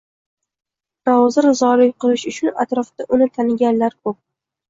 Rozi-rizolik qilish uchun atrofda uni taniganlar ko’p.